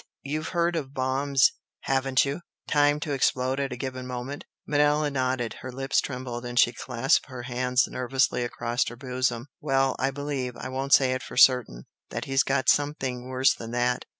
You've heard of bombs, haven't you? timed to explode at a given moment?" Manella nodded her lips trembled, and she clasped her hands nervously across her bosom. "Well! I believe I won't say it for certain, that he's got something worse than that!"